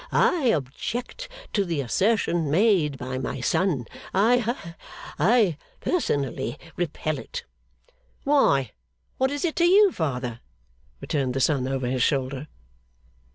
I object to the assertion made by my son. I ha I personally repel it.' 'Why, what is it to you, father?' returned the son, over his shoulder.